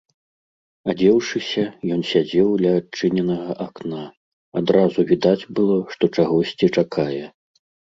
Адзеўшыся, ён сядзеў ля адчыненага акна, адразу відаць было, што чагосьці чакае.